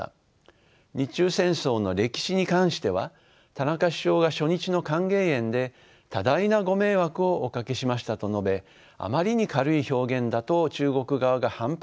日中戦争の歴史に関しては田中首相が初日の歓迎宴で多大なご迷惑をおかけしましたと述べあまりに軽い表現だと中国側が反発したことはよく知られています。